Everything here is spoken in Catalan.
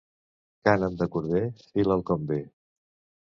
Cànem de corder, fila'l com ve.